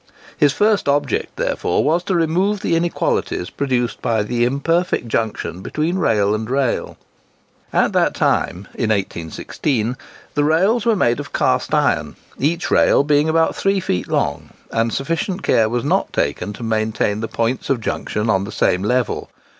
His first object therefore was, to remove the inequalities produced by the imperfect junction between rail and rail. At that time, (in 1816) the rails were made of cast iron, each rail being about three feet long; and sufficient care was not taken to maintain the points of junction on the same level.